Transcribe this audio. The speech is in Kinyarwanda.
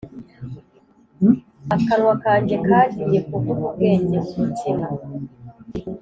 Akanwa kanjye kagiye kuvuga ubwenge Umutima